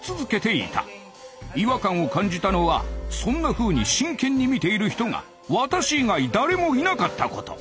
違和感を感じたのはそんなふうに真剣に見ている人が私以外誰もいなかったこと。